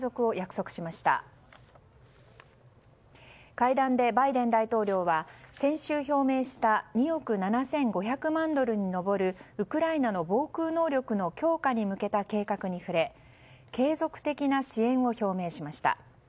会談でバイデン大統領は先週表明した２億７５００万ドルに上るウクライナの防空能力の強化に向けた計画に触れ継続的な支援を表明しました。